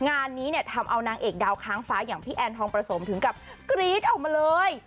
งานนี้ทำเอานางเอกดาวค้างฟ้าพี่แอนทองปรสมถึงกับกรีทออกมาเลย